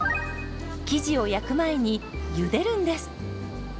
生地を焼く前にゆでるんです。